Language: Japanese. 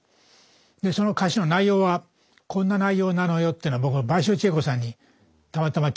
でその歌詞の内容はこんな内容なのよってのを僕は倍賞千恵子さんにたまたま聞いたのね。